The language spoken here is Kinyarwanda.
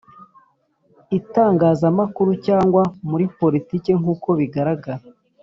itangazamakuru cyangwa muri politiki nkuko bigaragara